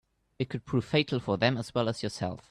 It could prove fatal for them as well as yourself.